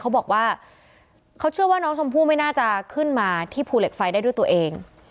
เขาบอกว่าเขาเชื่อว่าน้องชมพู่ไม่น่าจะขึ้นมาที่ภูเหล็กไฟได้ด้วยตัวเอง